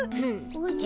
おじゃ。